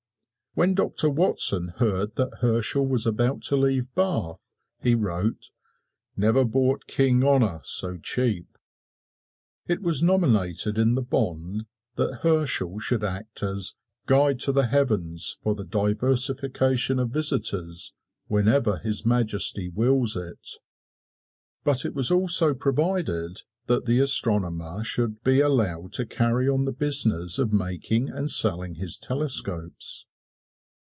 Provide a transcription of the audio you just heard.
When Doctor Watson heard that Herschel was about to leave Bath he wrote, "Never bought King honor so cheap." It was nominated in the bond that Herschel should act as "Guide to the heavens for the diversification of visitors whenever His Majesty wills it." But it was also provided that the astronomer should be allowed to carry on the business of making and selling his telescopes.